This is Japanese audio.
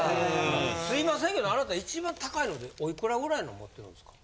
すいませんけどあなた一番高いのでおいくらぐらいの持ってるんですか？